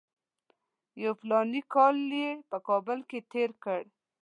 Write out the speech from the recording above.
یو فلاني کال یې په کابل کې تېر کړ.